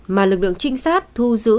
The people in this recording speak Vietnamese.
mà lực lượng trinh sát thu giữ